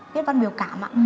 viết văn biểu cảm